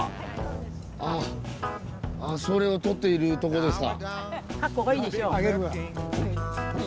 あそれを取っているとこですか。